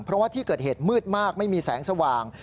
เพราะว่าที่เกิดเหตุมืดมากไม่มีแสงสว่าง